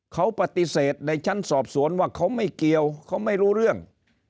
เขาปฏิเสธในชั้นสอบสวนว่าเขาไม่เกี่ยวเขาไม่รู้เรื่อง